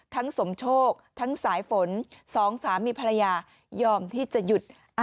สมโชคทั้งสายฝนสองสามีภรรยายอมที่จะหยุด